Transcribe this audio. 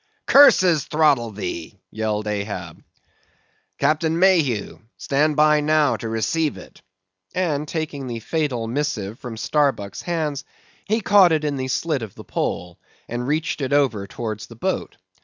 "Curses throttle thee!" yelled Ahab. "Captain Mayhew, stand by now to receive it"; and taking the fatal missive from Starbuck's hands, he caught it in the slit of the pole, and reached it over towards the boat.